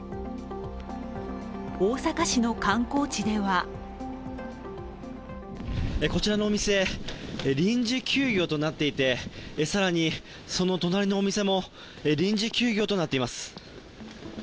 大阪市の観光地ではこちらのお店、臨時休業となっていて、更にその隣のお店も臨時休業となっています。